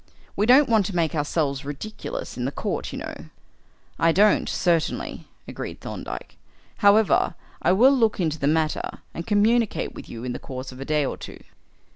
We don't want to make ourselves ridiculous in court, you know." "I don't, certainly," agreed Thorndyke. "However, I will look into the matter and communicate with you in the course of a day or two."